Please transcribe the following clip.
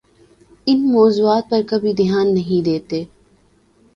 ان موضوعات پر کبھی دھیان نہیں دیتے؟